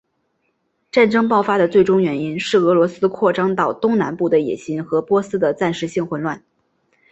战争爆发的最终原因是俄罗斯扩张到东南部的野心和波斯的暂时性混乱。